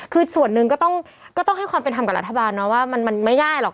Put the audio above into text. คือส่วนหนึ่งก็ต้องให้ความเป็นธรรมกับรัฐบาลนะว่ามันไม่ง่ายหรอก